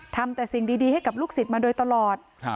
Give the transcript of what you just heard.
ทำแต่สิ่งดีให้กับลูกศิษย์มาโดยตลอด